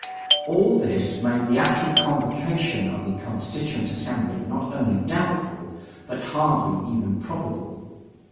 All this made the actual convocation of the Constituent Assembly not only doubtful, but hardly even probable.